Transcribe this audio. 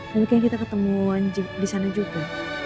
mungkin kita ketemuan di sana juga